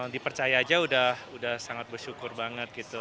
dipercaya aja udah sangat bersyukur banget gitu